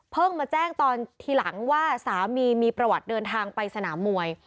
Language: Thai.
มาแจ้งตอนทีหลังว่าสามีมีประวัติเดินทางไปสนามมวย